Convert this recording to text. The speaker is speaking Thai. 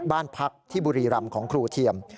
บ้านพักที่บุรีรำของครูเทียม